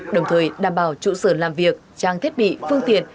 đồng thời đảm bảo trụ sở làm việc trang thiết bị phương tiện